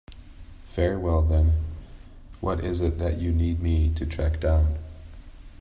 Very well then, what is it that you need me to track down?